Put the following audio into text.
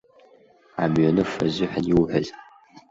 Амҩаныфа азыҳәан иуҳәаз.